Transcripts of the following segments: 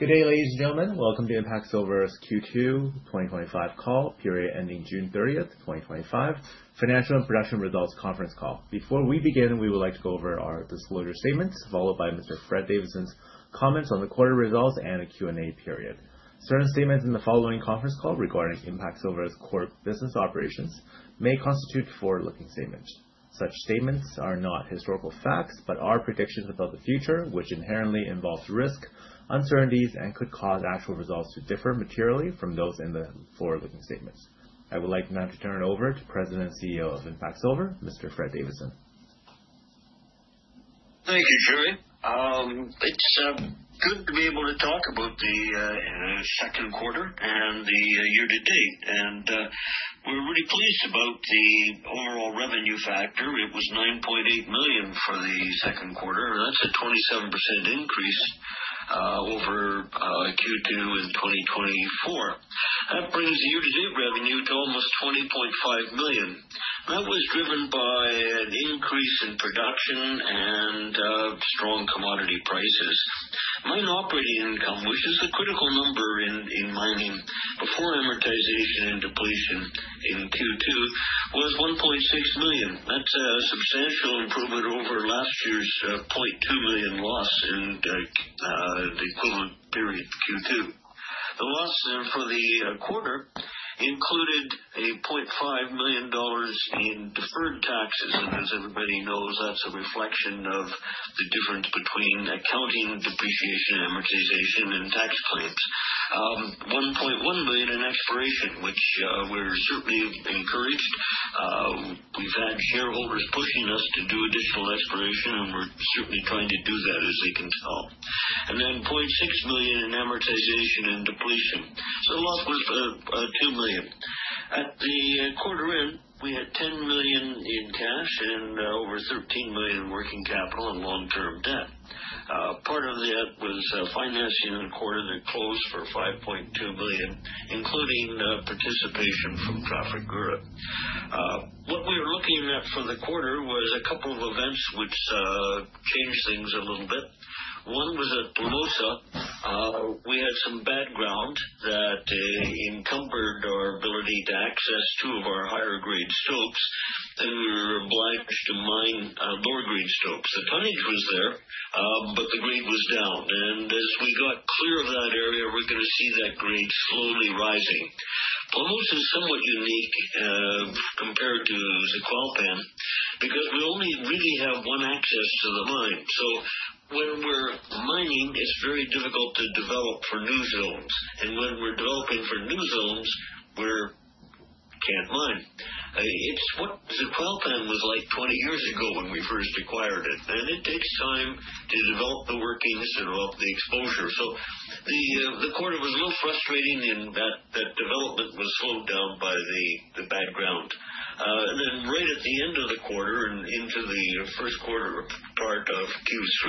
Good day, ladies and gentlemen. Welcome to IMPACT Silver's Q2 2025 call, ending June 30, 2025, Financial and Production Results Conference Call. Before we begin, we would like to go over our disclosure statements, followed by Mr. Fred Davidson's comments on the quarter results and a Q&A period. Certain statements in the following conference call regarding IMPACT Silver's core business operations may constitute forward-looking statements. Such statements are not historical facts but are predictions about the future, which inherently involves risk, uncertainties, and could cause actual results to differ materially from those in the forward-looking statements. I would like now to turn it over to President and CEO of IMPACT Silver, Mr. Fred Davidson. Thank you, Jerry. It's good to be able to talk about the second quarter and the year-to-date. And we're really pleased about the overall revenue factor. It was 9.8 million for the second quarter. That's a 27% increase over Q2 in 2024. That brings the year-to-date revenue to almost 20.5 million. That was driven by an increase in production and strong commodity prices. Mine operating income, which is a critical number in mining before amortization and depletion in Q2, was 1.6 million. That's a substantial improvement over last year's 0.2 million loss in the equivalent period, Q2. The loss for the quarter included a $0.5 million in deferred taxes, and as everybody knows, that's a reflection of the difference between accounting, depreciation, amortization, and tax claims. 1.1 million in exploration, which we're certainly encouraged. We've had shareholders pushing us to do additional exploration, and we're certainly trying to do that, as they can tell, and then 0.6 million in amortization and depletion, so the loss was 2 million. At the quarter end, we had 10 million in cash and over 13 million in working capital and long-term debt. Part of that was financing in the quarter that closed for 5.2 million, including participation from Trafigura. What we were looking at for the quarter was a couple of events which changed things a little bit. One was at Plomosas. We had some bad ground that encumbered our ability to access two of our higher-grade stopes, and we were obliged to mine lower-grade stopes. The tonnage was there, but the grade was down, and as we got clear of that area, we're going to see that grade slowly rising. Plomosas is somewhat unique compared to Zacualpan because we only really have one access to the mine. So when we're mining, it's very difficult to develop for new zones. And when we're developing for new zones, we can't mine. It's what Zacualpan was like 20 years ago when we first acquired it. And it takes time to develop the workings and develop the exposure. So the quarter was a little frustrating, and that development was slowed down by the bad ground and then right at the end of the quarter and into the first quarter part of Q3,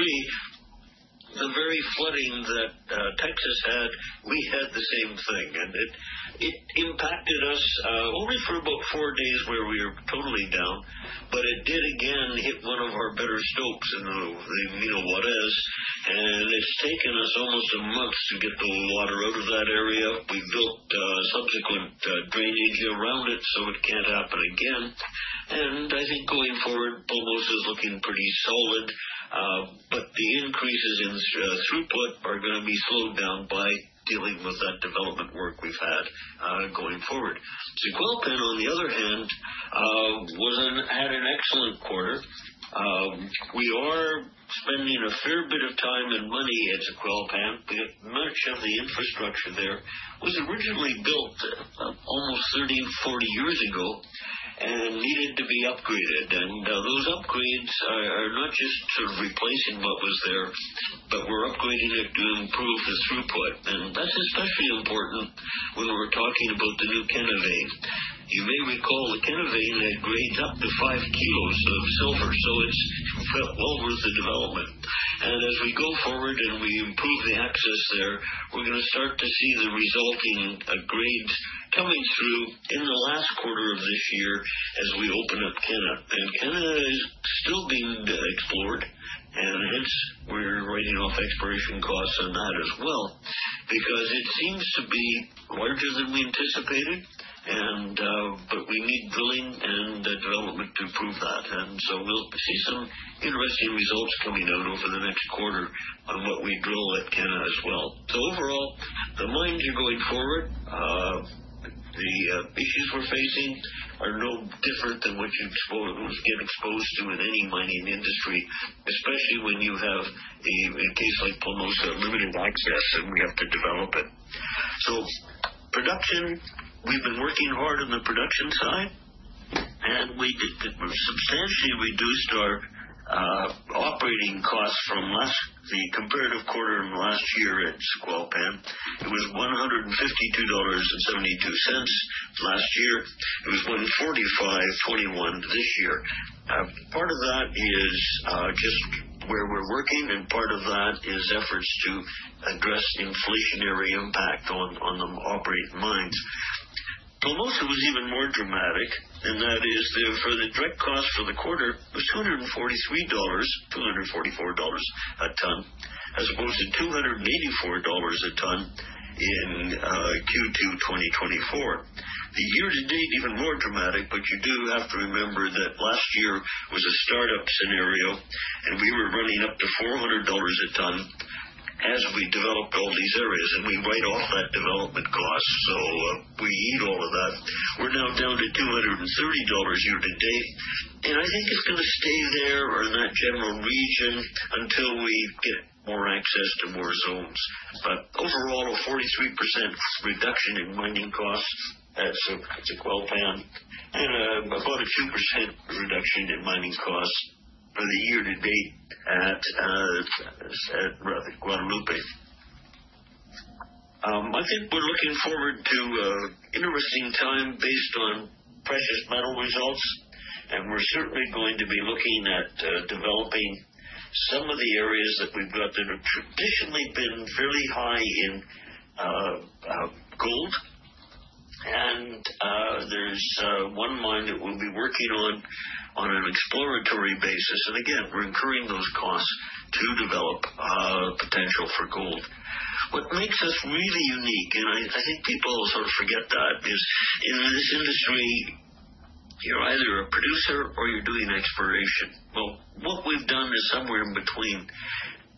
the very flooding that Texas had, we had the same thing. And it impacted us only for about four days where we were totally down, but it did again hit one of our better stopes in the Mina Juárez. It's taken us almost a month to get the water out of that area. We built subsequent drainage around it, so it can't happen again. I think going forward, Plomosas is looking pretty solid, but the increases in throughput are going to be slowed down by dealing with that development work we've had going forward. Zacualpan, on the other hand, had an excellent quarter. We are spending a fair bit of time and money at Zacualpan. We have much of the infrastructure there was originally built almost 30, 40 years ago and needed to be upgraded. Those upgrades are not just sort of replacing what was there, but we're upgrading it to improve the throughput. That's especially important when we're talking about the new Cañada Vein. You may recall the Cañada Vein had grades up to five kilos of silver, so it felt well worth the development. And as we go forward and we improve the access there, we're going to start to see the resulting grades coming through in the last quarter of this year as we open up Cañada Vein and Cañada Vein is still being explored, and hence we're writing off exploration costs on that as well because it seems to be larger than we anticipated, but we need drilling and development to prove that and so we'll see some interesting results coming out over the next quarter on what we drill at Cañada Vein as well. So overall, the mines are going forward. The issues we're facing are no different than what you get exposed to in any mining industry, especially when you have a case like Plomosas limited access and we have to develop it. So, production. We've been working hard on the production side, and we substantially reduced our operating costs from last the comparative quarter in last year at Zacualpan. It was $152.72 last year. It was $145.21 this year. Part of that is just where we're working, and part of that is efforts to address inflationary impact on the operating mines. Plomosas was even more dramatic, and that is for the direct cost for the quarter was $243-$244 a ton, as opposed to $284 a ton in Q2 2024. The year-to-date is even more dramatic, but you do have to remember that last year was a startup scenario, and we were running up to $400 a ton as we developed all these areas, and we write off that development cost. So we eat all of that. We're now down to $230 year-to-date, and I think it's going to stay there in that general region until we get more access to more zones, but overall, a 43% reduction in mining costs at Zacualpan and about a 2% reduction in mining costs for the year-to-date at Guadalupe. I think we're looking forward to an interesting time based on precious metal results, and we're certainly going to be looking at developing some of the areas that we've got that have traditionally been fairly high in gold, and there's one mine that we'll be working on an exploratory basis, and again, we're incurring those costs to develop potential for gold. What makes us really unique, and I think people sort of forget that, is in this industry, you're either a producer or you're doing exploration, well, what we've done is somewhere in between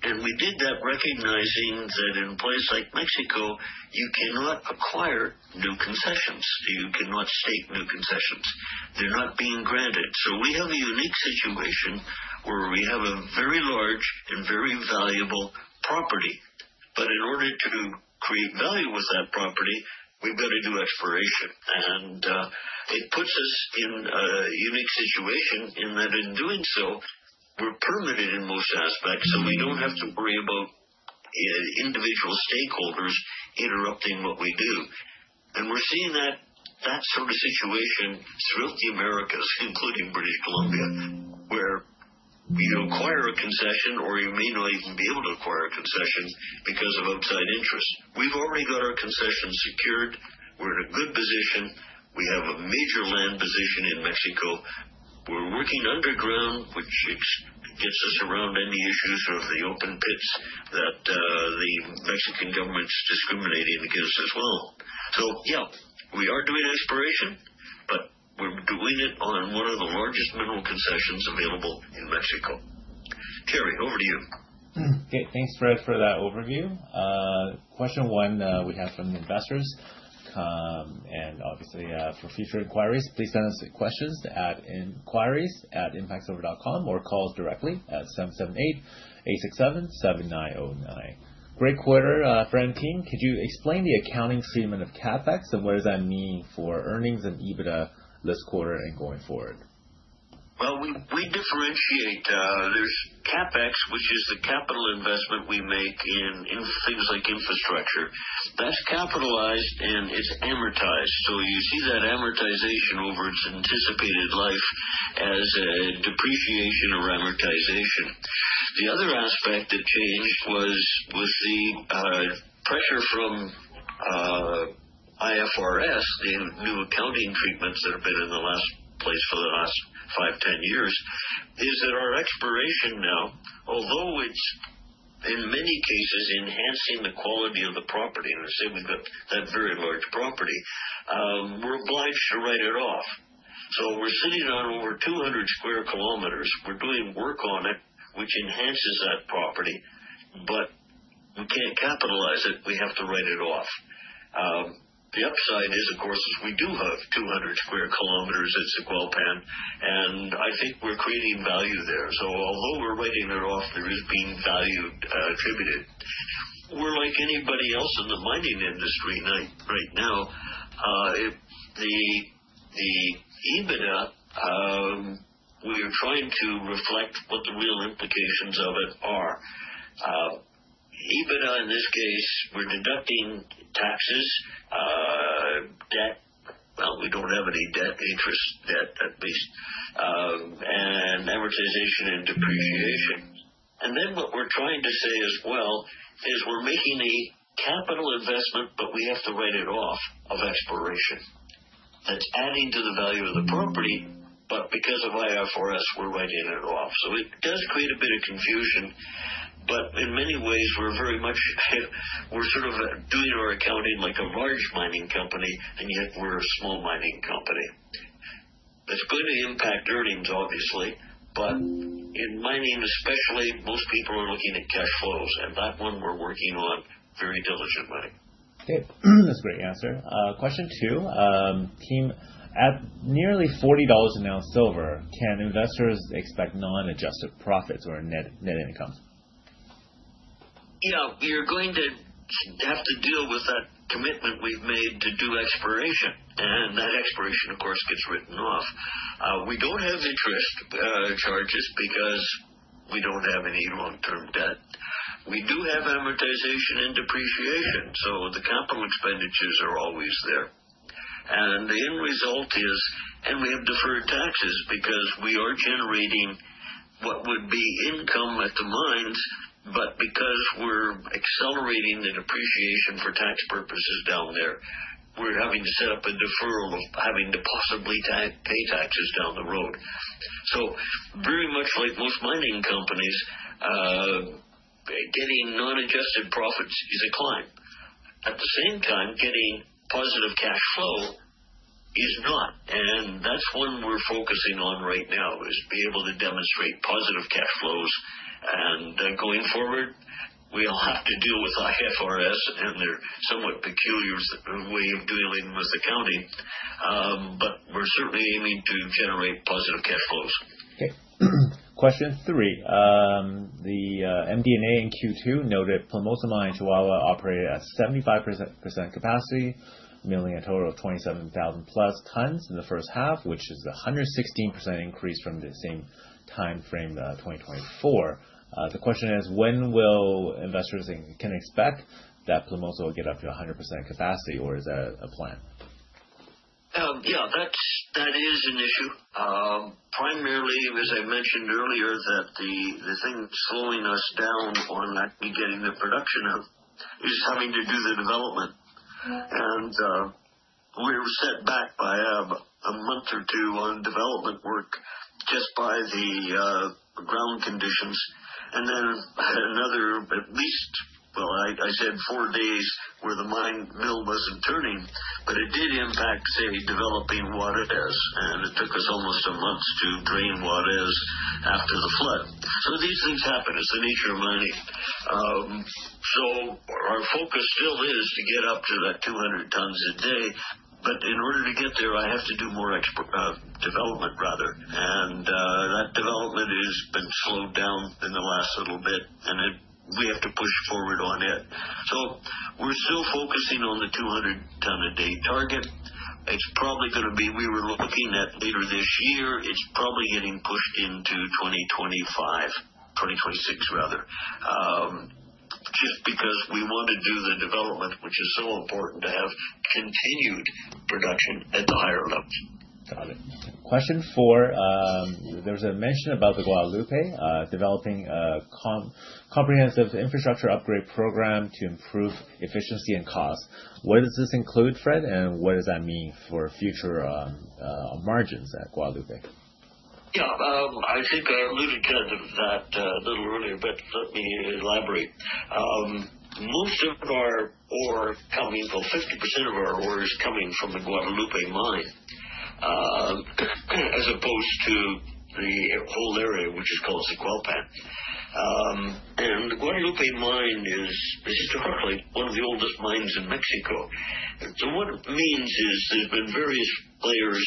and we did that recognizing that in a place like Mexico, you cannot acquire new concessions. You cannot stake new concessions. They're not being granted. So we have a unique situation where we have a very large and very valuable property. But in order to create value with that property, we've got to do exploration and it puts us in a unique situation in that in doing so, we're permitted in most aspects, and we don't have to worry about individual stakeholders interrupting what we do and we're seeing that sort of situation throughout the Americas, including British Columbia, where you acquire a concession or you may not even be able to acquire a concession because of outside interests. We've already got our concession secured. We're in a good position. We have a major land position in Mexico. We're working underground, which gets us around any issues of the open pits that the Mexican government's discriminating against as well. So yeah, we are doing exploration, but we're doing it on one of the largest mineral concessions available in Mexico. Jerry, over to you. Thanks, Fred, for that overview. Question one we have from the investors, and obviously, for future inquiries, please send us questions at inquiries@impactsilver.com or call us directly at 778-867-7909. Great quarter, Fred and team. Could you explain the accounting statement of CapEx and what does that mean for earnings and EBITDA this quarter and going forward? We differentiate. There's CapEx, which is the capital investment we make in things like infrastructure. That's capitalized, and it's amortized. So you see that amortization over its anticipated life as a depreciation or amortization. The other aspect that changed was with the pressure from IFRS, the new accounting treatments that have been in place for the last five, 10 years, is that our exploration now, although it's in many cases enhancing the quality of the property, and say we've got that very large property, we're obliged to write it off. So we're sitting on over 200 sq km. We're doing work on it, which enhances that property, but we can't capitalize it. We have to write it off. The upside is, of course, is we do have 200 square kilometers at Zacualpan, and I think we're creating value there. Although we're writing it off, there is being value attributed. We're like anybody else in the mining industry right now. The EBITDA, we are trying to reflect what the real implications of it are. EBITDA in this case, we're deducting taxes, debt, well, we don't have any debt, interest debt at least, and amortization and depreciation and then what we're trying to say as well is we're making a capital investment, but we have to write it off of exploration. That's adding to the value of the property, but because of IFRS, we're writing it off. So it does create a bit of confusion, but in many ways, we're very much, we're sort of doing our accounting like a large mining company, and yet we're a small mining company. That's going to impact earnings, obviously, but in mining, especially, most people are looking at cash flows, and that one we're working on very diligently. That's a great answer. Question two, team. At nearly $40 an ounce silver, can investors expect non-adjusted profits or net income? Yeah. We are going to have to deal with that commitment we've made to do exploration. And that exploration, of course, gets written off. We don't have interest charges because we don't have any long-term debt. We do have amortization and depreciation, so the capital expenditures are always there and the end result is, and we have deferred taxes because we are generating what would be income at the mines, but because we're accelerating the depreciation for tax purposes down there, we're having to set up a deferral of having to possibly pay taxes down the road. So very much like most mining companies, getting non-adjusted profits is a climb. At the same time, getting positive cash flow is not. And that's one we're focusing on right now, is being able to demonstrate positive cash flows and going forward, we'll have to deal with IFRS and their somewhat peculiar way of dealing with accounting, but we're certainly aiming to generate positive cash flows. Question three. The MD&A in Q2 noted Plomosas Mine, Chihuahua operated at 75% capacity, milling a total of 27,000-plus tons in the first half, which is a 116% increase from the same timeframe of 2024. The question is, when will investors can expect that Plomosas will get up to 100% capacity, or is that a plan? Yeah. That is an issue. Primarily, as I mentioned earlier, that the thing slowing us down on getting the production out is having to do the development, and we're set back by a month or two on development work just by the ground conditions, and then another at least, well, I said four days where the mine mill wasn't turning, but it did impact, say, developing Juárez, and it took us almost a month to drain Juárez after the flood. So these things happen. It's the nature of mining. So our focus still is to get up to that 200 tons a day, but in order to get there, I have to do more development, rather, and that development has been slowed down in the last little bit, and we have to push forward on it. So we're still focusing on the 200-ton-a-day target. It's probably going to be. We were looking at later this year. It's probably getting pushed into 2025, 2026, rather, just because we want to do the development, which is so important to have continued production at the higher levels. Got it. Question four. There was a mention about the Guadalupe developing a comprehensive infrastructure upgrade program to improve efficiency and cost. What does this include, Fred, and what does that mean for future margins at Guadalupe? Yeah. I think I alluded to that a little earlier, but let me elaborate. Most of our ore coming. Well, 50% of our ore is coming from the Guadalupe Mine as opposed to the whole area, which is called Zacualpan. And the Guadalupe Mine is historically one of the oldest mines in Mexico. So what it means is there's been various players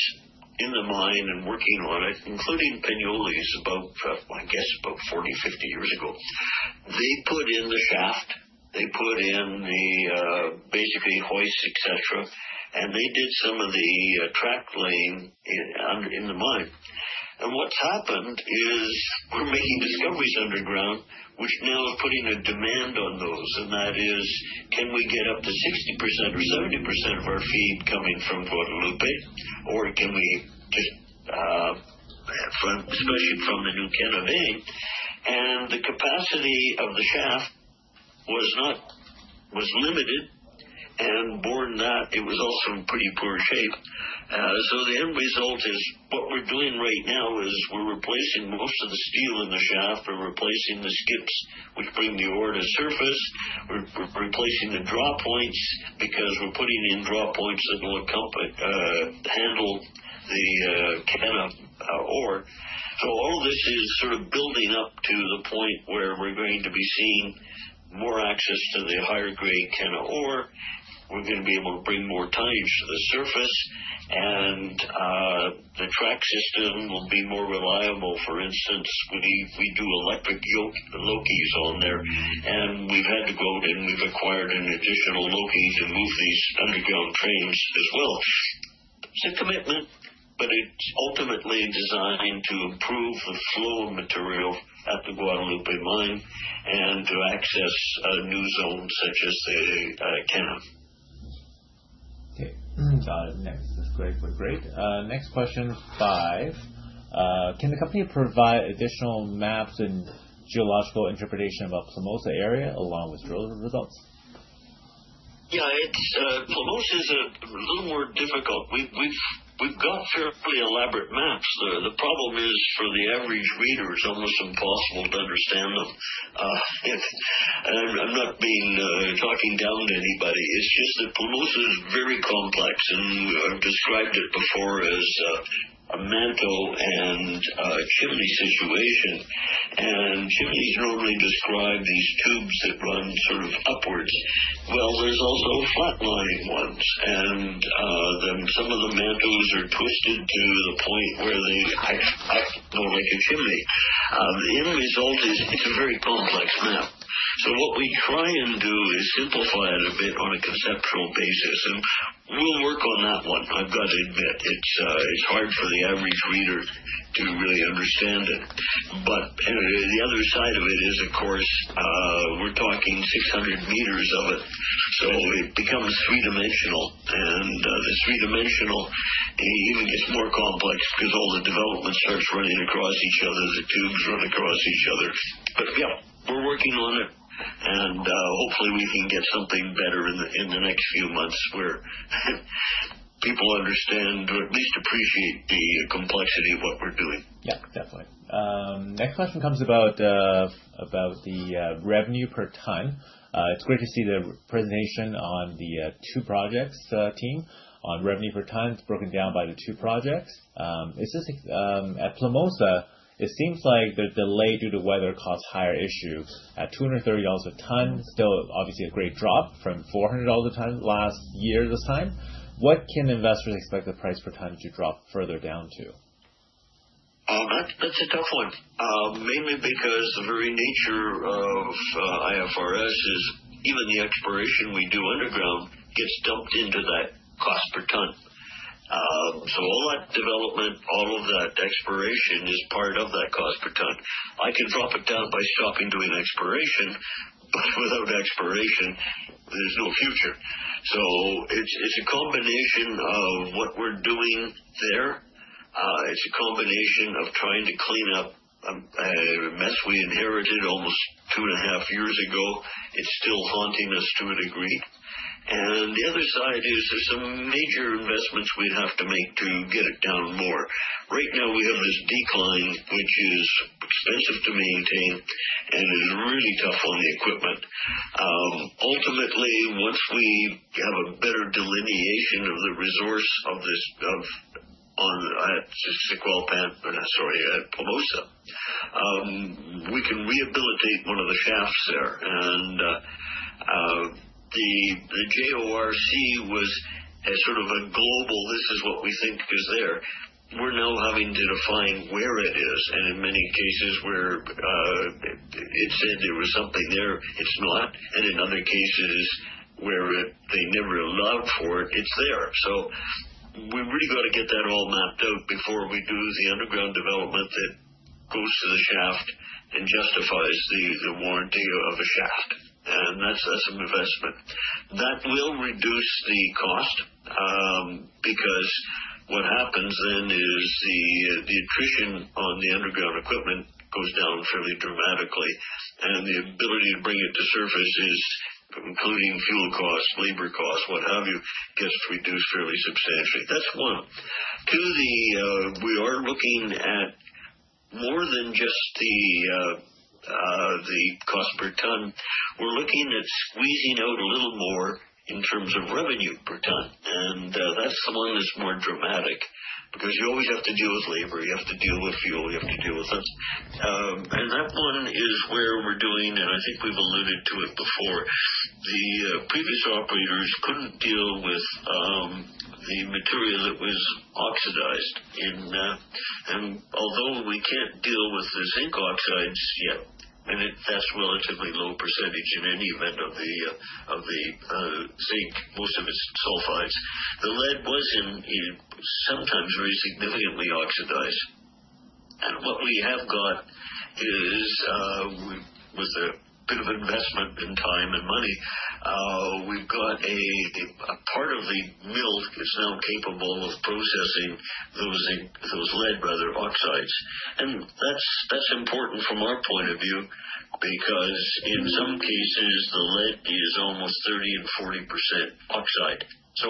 in the mine and working on it, including Peñoles about, I guess, about 40, 50 years ago. They put in the shaft. They put in the basically hoists, etc., and they did some of the track laying in the mine. And what's happened is we're making discoveries underground, which now is putting a demand on those. And that is, can we get up to 60% or 70% of our feed coming from Guadalupe, or can we just, especially from the new Cañada Vein? The capacity of the shaft was limited, and bearing in mind that it was also in pretty poor shape. The end result is what we're doing right now is we're replacing most of the steel in the shaft. We're replacing the skips which bring the ore to the surface. We're replacing the draw points because we're putting in draw points that will handle the Cañada ore. All of this is sort of building up to the point where we're going to be seeing more access to the higher-grade Cañada ore. We're going to be able to bring more tonnes to the surface, and the track system will be more reliable. For instance, we do electric locomotives on there, and we've had to go and we've acquired an additional locomotive to move these underground trains as well. It's a commitment, but it's ultimately designed to improve the flow of material at the Guadalupe Mine and to access new zones such as the Cañada. Got it. That's great. Next question five. Can the company provide additional maps and geological interpretation about Plomosas's area along with drill results? Yeah. Plomosas is a little more difficult. We've got fairly elaborate maps. The problem is for the average reader, it's almost impossible to understand them. I'm not talking down to anybody. It's just that Plomosas is very complex, and I've described it before as a manto and chimney situation and chimneys normally describe these tubes that run sort of upwards. Well, there's also flat-lying ones, and some of the mantos are twisted to the point where they act more like a chimney. The end result is it's a very complex map. So what we try and do is simplify it a bit on a conceptual basis, and we'll work on that one. I've got to admit, it's hard for the average reader to really understand it. But the other side of it is, of course, we're talking 600 m of it, so it becomes three-dimensional. And the three-dimensional even gets more complex because all the development starts running across each other. The tubes run across each other. But yeah, we're working on it, and hopefully we can get something better in the next few months where people understand or at least appreciate the complexity of what we're doing. Yeah. Definitely. Next question comes about the revenue per ton. It's great to see the presentation on the two projects, team, on revenue per ton. It's broken down by the two projects. At Plomosas, it seems like the delay due to weather caused higher issues at $230 a ton, still obviously a great drop from $400 a ton last year's time. What can investors expect the price per ton to drop further down to? That's a tough one, mainly because the very nature of IFRS is even the exploration we do underground gets dumped into that cost per ton. So all that development, all of that exploration is part of that cost per ton. I can drop it down by stopping doing exploration, but without exploration, there's no future. So it's a combination of what we're doing there. It's a combination of trying to clean up a mess we inherited almost two and a half years ago. It's still haunting us to a degree. And the other side is there's some major investments we'd have to make to get it down more. Right now, we have this decline, which is expensive to maintain, and it is really tough on the equipment. Ultimately, once we have a better delineation of the resource at Zacualpan, sorry, at Plomosas, we can rehabilitate one of the shafts there. The JORC was sort of a global, "This is what we think is there." We're now having to define where it is. In many cases, where it said there was something there, it's not. In other cases where they never allowed for it, it's there. So we really got to get that all mapped out before we do the underground development that goes to the shaft and justifies the warranty of a shaft. That's an investment. That will reduce the cost because what happens then is the attrition on the underground equipment goes down fairly dramatically. The ability to bring it to surface, including fuel costs, labor costs, what have you, gets reduced fairly substantially. That's one. Two, we are looking at more than just the cost per ton. We're looking at squeezing out a little more in terms of revenue per ton. And that's the one that's more dramatic because you always have to deal with labor. You have to deal with fuel. You have to deal with those. And that one is where we're doing—and I think we've alluded to it before—the previous operators couldn't deal with the material that was oxidized and although we can't deal with the zinc oxides yet, and that's relatively low percentage in any event of the zinc, most of it's sulfides, the lead was sometimes very significantly oxidized. What we have got is, with a bit of investment in time and money, we've got a part of the mill that's now capable of processing those lead, rather, oxides and that's important from our point of view because in some cases, the lead is almost 30%-40% oxide. So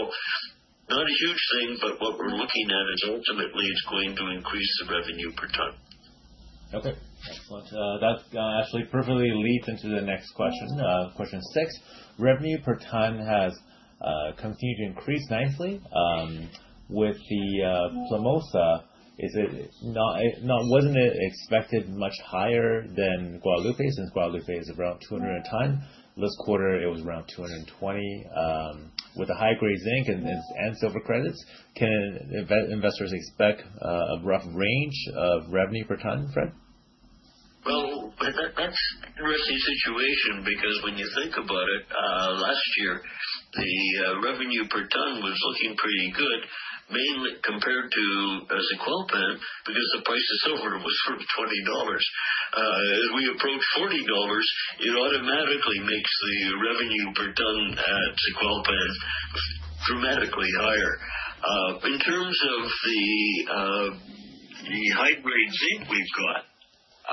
not a huge thing, but what we're looking at is ultimately it's going to increase the revenue per ton. Okay. Excellent. That actually perfectly leads into the next question. Question six. Revenue per ton has continued to increase nicely. With the Plomosas, wasn't it expected much higher than Guadalupe? Since Guadalupe is around $200 a ton, last quarter it was around $220. With the high-grade zinc and silver credits, can investors expect a rough range of revenue per ton, Fred? That's a risky situation because when you think about it, last year, the revenue per ton was looking pretty good, mainly compared to Zacualpan because the price of silver was $20. As we approach $40, it automatically makes the revenue per ton at Zacualpan dramatically higher. In terms of the high-grade zinc we've got,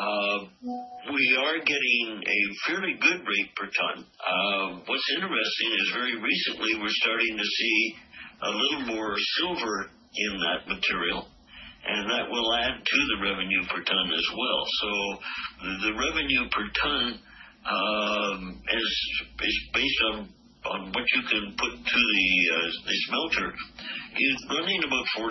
we are getting a fairly good rate per ton. What's interesting is very recently we're starting to see a little more silver in that material, and that will add to the revenue per ton as well. So the revenue per ton is based on what you can put to the smelter. It's running about 40%-50%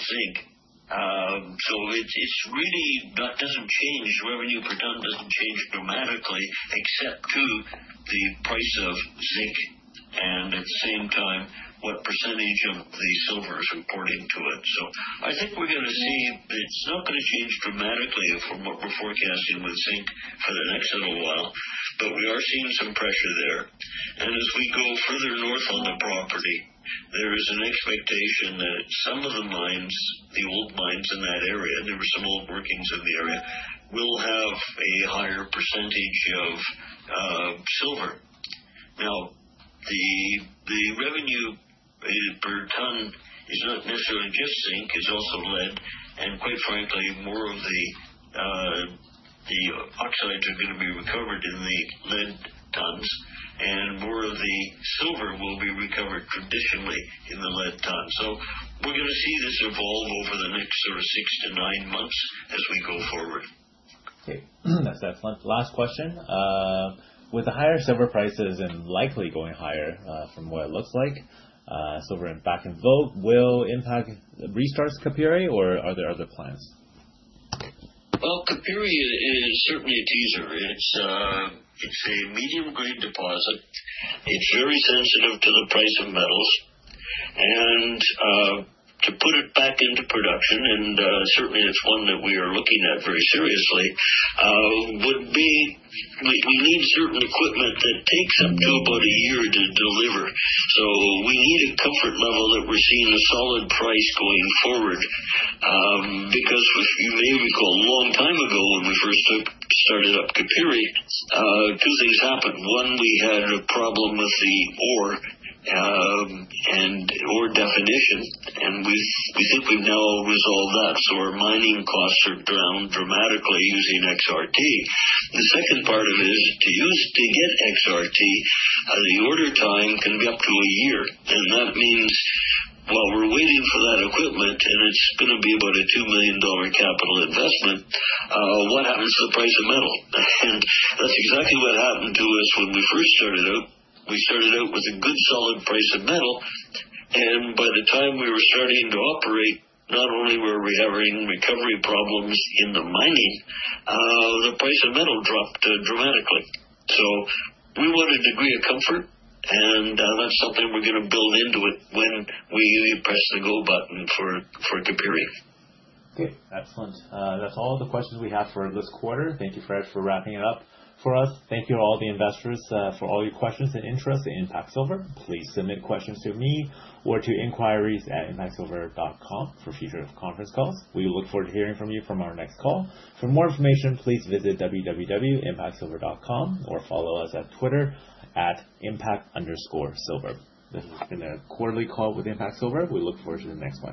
zinc. So it really doesn't change. Revenue per ton doesn't change dramatically except to the price of zinc and at the same time what percentage of the silver is reporting to it. So I think we're going to see it's not going to change dramatically from what we're forecasting with zinc for the next little while, but we are seeing some pressure there. And as we go further north on the property, there is an expectation that some of the mines, the old mines in that area, there were some old workings in the area, will have a higher percentage of silver. Now, the revenue per ton is not necessarily just zinc. It's also lead. And quite frankly, more of the oxides are going to be recovered in the lead tons, and more of the silver will be recovered traditionally in the lead tons. So we're going to see this evolve over the next sort of six to nine months as we go forward. Okay. That's excellent. Last question. With the higher silver prices and likely going higher from what it looks like, silver back in vogue will impact restarts of Capire, or are there other plans? Capire is certainly a teaser. It's a medium-grade deposit. It's very sensitive to the price of metals. And to put it back into production, and certainly it's one that we are looking at very seriously, we need certain equipment that takes up to about a year to deliver. So we need a comfort level that we're seeing a solid price going forward because you may recall a long time ago when we first started up Capire, two things happened. One, we had a problem with the ore definition, and we think we've now resolved that. So our mining costs are down dramatically using XRT. The second part of it is to get XRT, the order time can be up to a year. And that means while we're waiting for that equipment, and it's going to be about a $2 million capital investment, what happens to the price of metal? That's exactly what happened to us when we first started out. We started out with a good solid price of metal, and by the time we were starting to operate, not only were we having recovery problems in the mining, the price of metal dropped dramatically. We want a degree of comfort, and that's something we're going to build into it when we press the go button for Capire. Okay. Excellent. That's all the questions we have for this quarter. Thank you, Fred, for wrapping it up for us. Thank you to all the investors for all your questions and interest in IMPACT Silver. Please submit questions to me or to inquiries@impactsilver.com for future conference calls. We look forward to hearing from you from our next call. For more information, please visit www.impactsilver.com or follow us at Twitter @IMPACT_Silver. This has been a quarterly call with IMPACT Silver. We look forward to the next one.